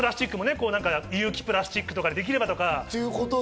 有機プラスチックでできるとか。